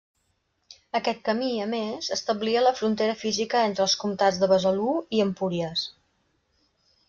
Aquest camí, a més, establia la frontera física entre els comtats de Besalú i Empúries.